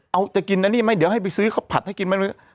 เอาจะกินนั่นไหมเดี๋ยวให้ไปซื้อเขาผัดให้กินไหม